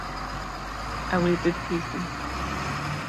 Ew ê bibihîzin.